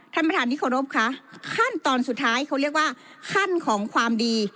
ท่านประธานที่เคารพคะขั้นตอนสุดท้ายเขาเรียกว่าขั้นของความดี